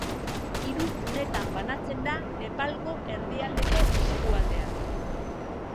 Hiru gunetan banatzen da Nepalgo Erdialdeko eskualdea.